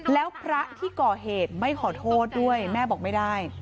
แล้วพระที่ก่อเหตุไม่ขอโทษด้วยแม่บอกไม่ได้